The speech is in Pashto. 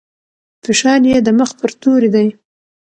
فشار يې د مخ پر توري دی.